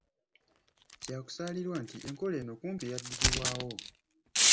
Kyakusaalirwa nti enkola eno kumpi yadibizibwa.